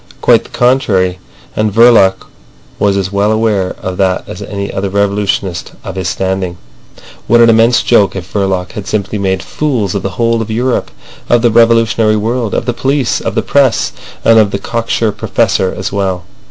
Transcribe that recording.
Quite the contrary; and Verloc was as well aware of that as any other revolutionist of his standing. What an immense joke if Verloc had simply made fools of the whole of Europe, of the revolutionary world, of the police, of the press, and of the cocksure Professor as well.